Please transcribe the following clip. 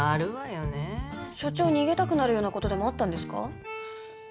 所長逃げたくなるような事でもあったんですか？